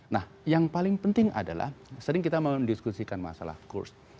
nah yang paling penting adalah sering kita mendiskusikan masalah kurs